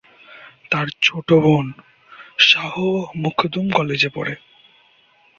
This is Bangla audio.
তার ছোট বোন শাহ মখদুম কলেজে পড়ে।